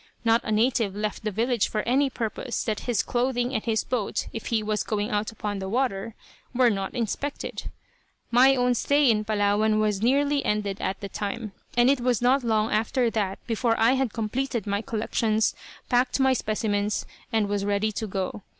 Not a native left the village for any purpose that his clothing and his boat, if he was going out upon the water, were not inspected. My own stay in Palawan was nearly ended at the time, and it was not long after that before I had completed my collections, packed my specimens, and was ready to go.